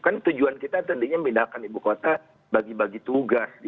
kan tujuan kita tentunya memindahkan ibu kota bagi bagi tugas